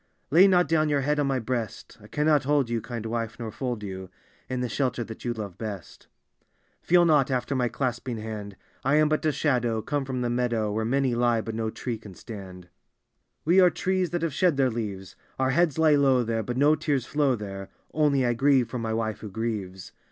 "Lay not down your head on my breast: I cannot hold you, kind wife, nor fold you In the shelter that you love best "Feel not after my clasping hand: I am but a shadow, come from the meadow, Where many lie, but no tree can stand. D,gt,, erihyGOOgle t The Haunted Hour " We are trees that have shed their leaves: Our heads lie low there, but no tears flow there; Only I grieve for my wife who grieves.